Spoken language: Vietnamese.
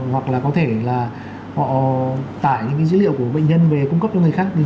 hoặc là có thể là họ tải những cái dữ liệu của bệnh nhân về cung cấp cho người khác